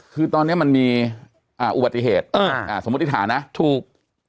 คือตอนนี้มันมีอุบัติเหตุสมมุติฐานนะถูก